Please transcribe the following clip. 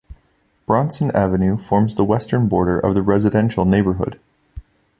Bronson Avenue forms the western border of the residential neighbourhood.